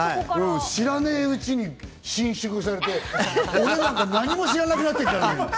知らねえうちに侵食されて俺なんか何も知らなくなってるからね。